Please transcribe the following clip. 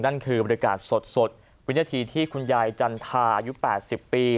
นั่นคือบริการสดวินาทีที่คุณยายจันทาอายุ๘๐ปี